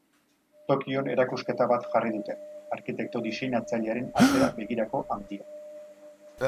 Tokion erakusketa bat jarri dute: arkitekto-diseinatzailearen atzera begirako handia.